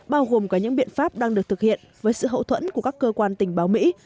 bao gồm cả những biện pháp đang được thực hiện với sự hậu thuẫn của các cơ quan tình báo mỹ